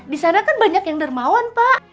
disana kan banyak yang dermawan pak